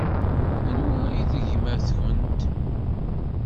Anwa i d gma-tkent?